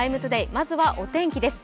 まずはお天気です。